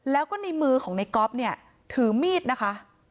แล้วก็ในมือของนายก๊อปถือมีดนะคะ